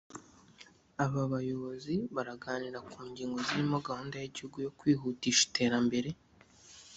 Aba bayobozi baraganira ku ngingo zirimo gahunda y’igihugu yo kwihutisha iterambere